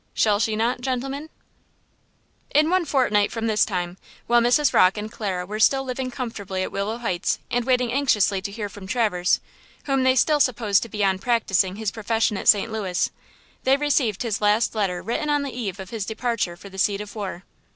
Shall she not, gentlemen? In one fortnight from this time, while Mrs. Rocke and Clara were still living comfortably at Willow Heights and waiting anxiously to hear from Traverse, whom they still supposed to be practising his profession at St. Louis, they received his last letter written on the eve of his departure for the seat of war.